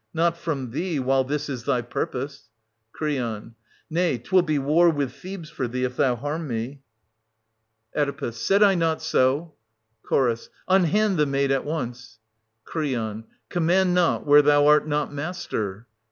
Not from thee, while this is thy purpose. Cr. Nay, 'twill be war with Thebes for thee, M thou harm me. 92 SOPHOCLES. [838—860 Oe. Said I not so? Cll. Unhand the maid at once ! S40 Cr. Command not where thou art not master.